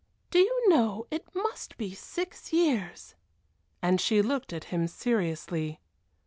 Do you know it must be six years." And she looked at him seriously.